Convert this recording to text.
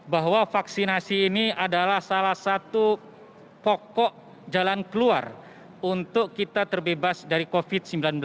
bahwa vaksinasi ini adalah salah satu pokok jalan keluar untuk kita terbebas dari covid sembilan belas